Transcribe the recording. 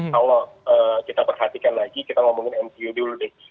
kalau kita perhatikan lagi kita ngomongin mcu dulu deh